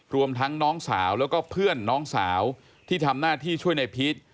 รวมทั้งน้องสาวแล้วก็เพื่อนน้องสาวที่ทำหน้าที่ช่วยในพีช